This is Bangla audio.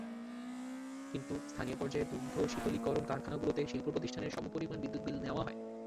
কিন্তু স্থানীয় পর্যায়ে দুগ্ধ শীতলীকরণ কারখানাগুলোতে শিল্পপ্রতিষ্ঠানের সমপরিমাণ বিদ্যুৎ বিল নেওয়া হয়।